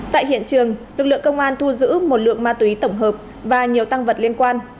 tại hiện trường lực lượng công an thu giữ một lượng ma túy tổng hợp và nhiều tăng vật liên quan